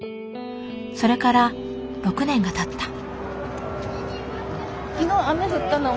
それから６年がたった。